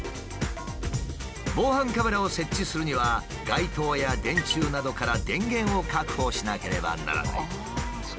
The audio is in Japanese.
防犯カメラを設置するには街灯や電柱などから電源を確保しなければならない。